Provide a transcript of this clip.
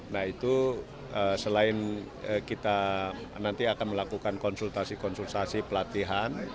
nah itu selain kita nanti akan melakukan konsultasi konsultasi pelatihan